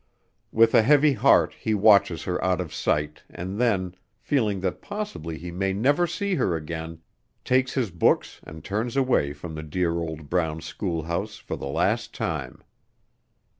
With a heavy heart he watches her out of sight and then, feeling that possibly he may never see her again, takes his books and turns away from the dear old brown schoolhouse for the last time.